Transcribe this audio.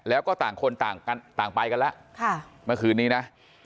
แล้วก็ต่างคนต่างไปกันแล้วเมื่อคืนนี้นะ